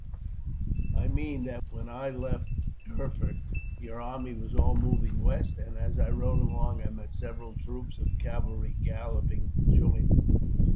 "I mean that when I left Erfurt your army was all moving west, and as I rode along I met several troops of cavalry, galloping to join them."